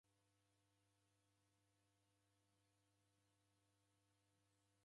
Nizighanire ngera ivo vindo vaw'urwa.